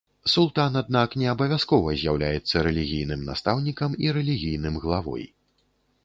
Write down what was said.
Султан, аднак, не абавязкова з'яўляецца рэлігійным настаўнікам і рэлігійным главой.